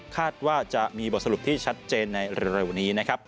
คาดว่าจะมีบทสรุปที่ชัดเจนในเร็วนี้นะครับ